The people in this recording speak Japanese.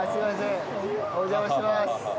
お邪魔してます。